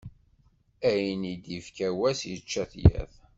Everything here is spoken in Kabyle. Ayen i d-ifka wass, yečča-t yiḍ.